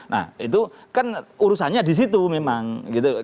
nah itu kan urusannya di situ memang gitu